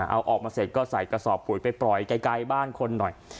เอาออกมาเสร็จก็ใส่กระสอบปุ๋ยไปปล่อยไกลบ้านคนหน่อย